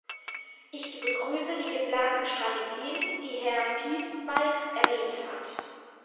Ich begrüße die geplanten Strategien, die Herr Piebalgs erwähnt hat.